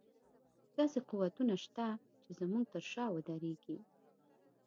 داسې قوتونه شته چې زموږ تر شا ودرېږي.